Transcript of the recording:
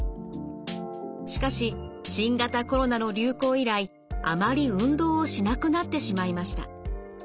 しかし新型コロナの流行以来あまり運動をしなくなってしまいました。